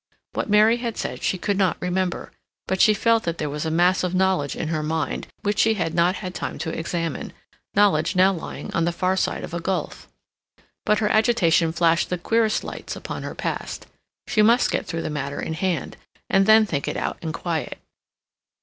What Mary had said she could not remember, but she felt that there was a mass of knowledge in her mind which she had not had time to examine—knowledge now lying on the far side of a gulf. But her agitation flashed the queerest lights upon her past. She must get through the matter in hand, and then think it out in quiet.